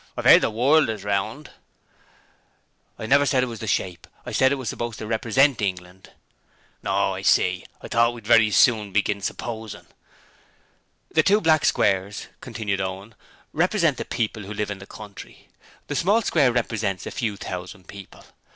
'I've heard as the WORLD is round ' 'I never said it was the shape I said it was supposed to REPRESENT England.' 'Oh, I see. I thought we'd very soon begin supposin'.' 'The two black squares,' continued Owen, 'represent the people who live in the country. The small square represents a few thousand people.